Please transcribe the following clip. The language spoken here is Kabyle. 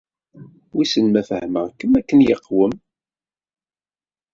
Wissen ma fehmeɣ-kem akken yeqwem.